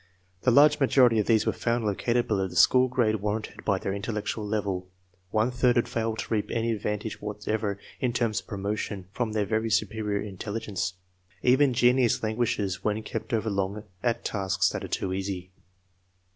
The large majority of these were found located below the school grade warranted by their intellectual level. One third had failed to reap any advantage what ever, in terms of promotion, from their very superior intel ligence. Even genius languishes when kept over long at tasks that are too easy.